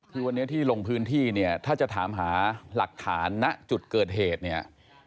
คือวันนี้ที่ลงพื้นที่เนี่ยถ้าจะถามหาหลักฐานณจุดเกิดเหตุเนี่ย